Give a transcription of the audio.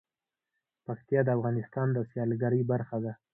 پکتیا د افغانستان د سیلګرۍ برخه ده.